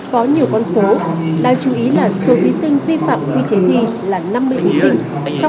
có nhiều con số đáng chú ý là số thí sinh vi phạm quy chế thi là năm mươi thí sinh